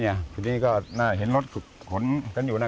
เนี้ยทีนี้ก็น่าจะเห็นรถถุกขนนอยู่นะ